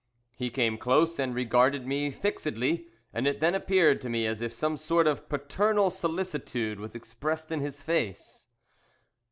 "He came close, and regarded me fixedly, and it then appeared to me as if some sort of paternal solicitude was expressed in his face."